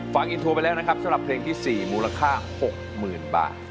ฟังอินโทรไปแล้วนะครับสำหรับเพลงที่๔มูลค่า๖๐๐๐บาท